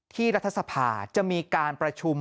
รัฐสภาจะมีการประชุม